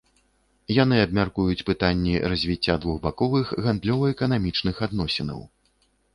Яны абмяркуюць пытанні развіцця двухбаковых гандлёва-эканамічных адносінаў.